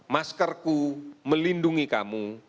maskerku melindungi kamu